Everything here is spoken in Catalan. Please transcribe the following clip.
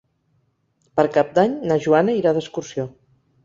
Per Cap d'Any na Joana irà d'excursió.